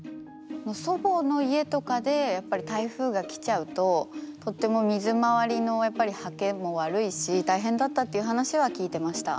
祖母の家とかでやっぱり台風が来ちゃうととっても水回りのやっぱりはけも悪いし大変だったっていう話は聞いてました。